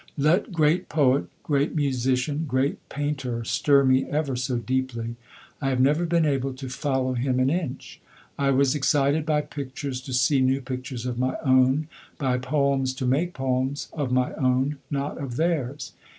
Let great poet, great musician, great painter stir me ever so deeply, I have never been able to follow him an inch. I was excited by pictures to see new pictures of my own, by poems to make poems of my own, not of theirs.